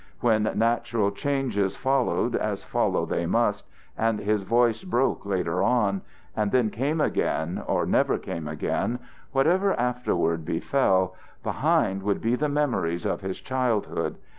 When natural changes followed as follow they must and his voice broke later on, and then came again or never came again, whatever afterward befell, behind would be the memories of his childhood.